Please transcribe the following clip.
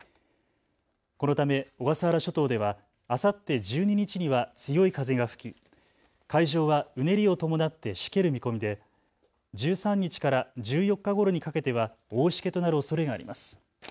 このため小笠原諸島ではあさって１２日には強い風が吹き海上はうねりを伴ってしける見込みで１３日から１４日ごろにかけては大しけとなるおそれがあります。